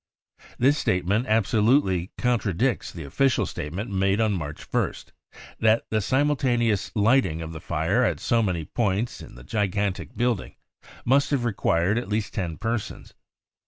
This statement absolutely contradicts the official state ment made on March 1st, that the simultaneous lighting of the fire at so many points in the gigantic building must have required at least ten persons.